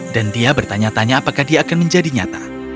dan dia bertanya tanya apakah dia akan menjadi nyata